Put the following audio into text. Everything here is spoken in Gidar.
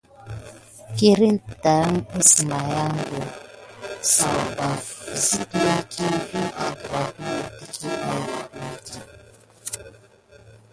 Kirne tàt əsmaya site netki sakuɓa vi lʼékokle angraka wubaye kudmakiyague.